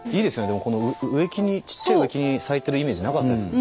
でもこの植木にちっちゃい植木に咲いてるイメージなかったです。